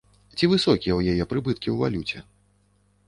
Ці высокія ў яе прыбыткі ў валюце?